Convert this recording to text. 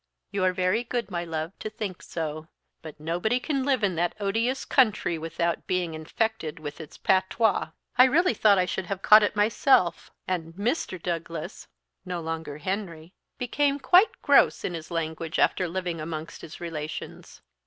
"You are very good, my love, to think so; but nobody can live in that odious country without being infected with its patois. I really thought I should have caught it myself; and Mr. Douglas" (no longer Henry) "became quite gross in his language after living amongst his relations."